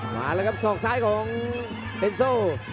มาแล้วครับศอกซ้ายของเซ็นโซ